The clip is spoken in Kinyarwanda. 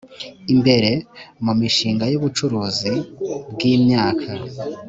imbere mu mishinga y ubucuruzi bw imyaka